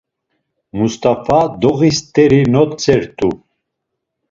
Must̆afa doği st̆eri notzert̆u.